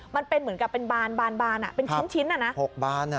มันเป็นเหมือนกับเป็นบานบานบานอ่ะเป็นชิ้นชิ้นน่ะนะหกบานอ่ะ